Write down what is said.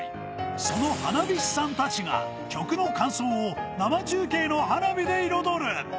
その花火師さんたちが曲の感想を生中継の花火で彩る。